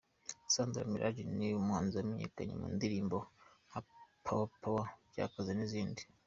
Sandra Miraji ni umuhanzi wamenyekanye mu ndirimbo nka Power Power ,Byakaze n’izindi.